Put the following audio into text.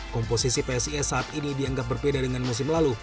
komposisi psis saat ini dianggap berbeda dengan musim lalu